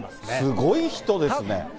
すごい人ですね。